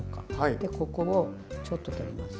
でここをちょっと取ります。